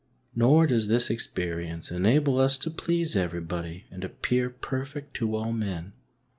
Nor does this experience enable us to please everybody and appear perfect to all men.